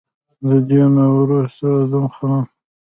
د دې نه وروستو ادم خان